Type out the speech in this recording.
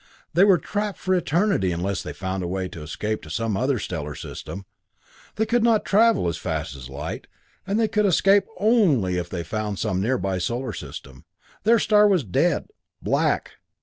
They were trapped for eternity unless they found a way to escape to some other stellar system. They could not travel as fast as light, and they could escape only if they found some near by solar system. Their star was dead black.